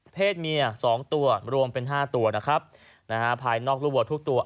เมียสองตัวรวมเป็นห้าตัวนะครับนะฮะภายนอกลูกวัวทุกตัว